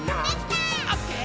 「オッケー！